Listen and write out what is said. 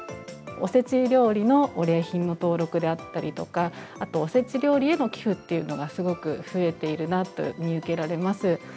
おせち料理のお礼品の登録であったりとか、あとおせち料理への寄付っていうのが、すごく増えているなと見受けられます。